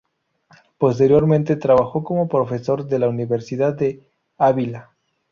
Posteriormente trabajó como profesor de la Universidad de Ávila.